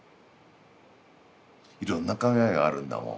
いろんな考えがあるんだもん。